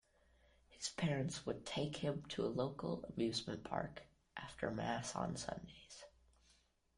His parents would take him to a local amusement park after Mass on Sundays.